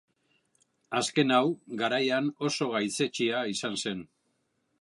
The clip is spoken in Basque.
Azken hau garaian oso gaitzetsia izan zen.